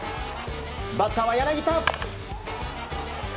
バッターは柳田。